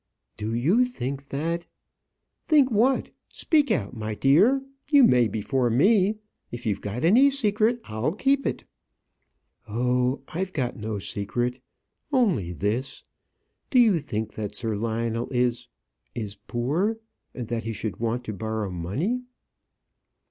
"Do you think that " "Think what? Speak out, my dear; you may before me. If you've got any secret, I'll keep it." "Oh! I've got no secret; only this. Do you think that Sir Lionel is is poor that he should want to borrow money?"